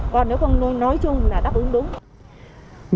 còn nếu không nói chung là đáp ứng đúng